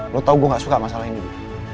lo tau gue gak suka masalah ini